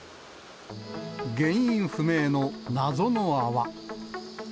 原因不明の謎の泡。